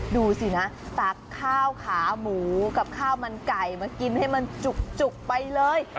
ดูสินะตักข้าวขาหมูกับข้าวมันไก่มากินให้มันจุกไปเลย